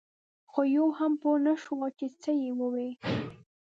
خو یو هم پوی نه شو چې څه یې ووې.